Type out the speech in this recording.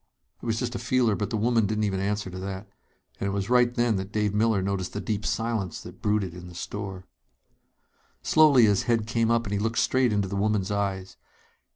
It was just a feeler, but the woman didn't even answer to that. And it was right then that Dave Miller noticed the deep silence that brooded in the store. Slowly his head came up and he looked straight into the woman's eyes.